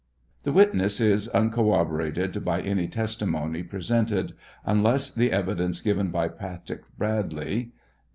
This witness is uncorroborated by any testimony presented, unless the evidenc given by Patrick Bradley (p.